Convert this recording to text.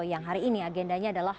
yang hari ini agendanya adalah